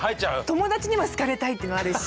友達にも好かれたいっていうのあるし。